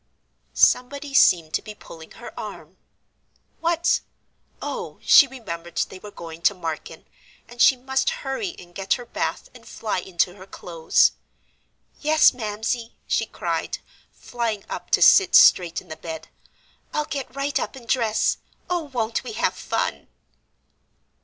Somebody seemed to be pulling her arm. What! Oh, she remembered they were going to Marken, and she must hurry and get her bath and fly into her clothes. "Yes, Mamsie!" she cried, flying up to sit straight in the bed. "I'll get right up and dress; oh, won't we have fun!"